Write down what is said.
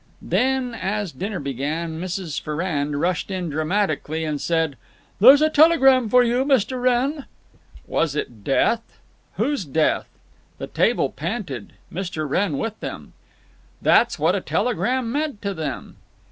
Then, as dinner began, Mrs. Ferrard rushed in dramatically and said, "There's a telegram for you, Mr. Wrenn!" Was it death? Whose death? The table panted, Mr. Wrenn with them…. That's what a telegram meant to them.